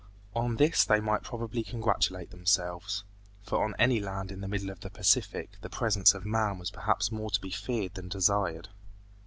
On this they might probably congratulate themselves, for on any land in the middle of the Pacific the presence of man was perhaps more to be feared than desired.